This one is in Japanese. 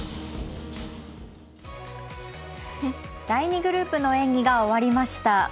第２グループの演技が終わりました。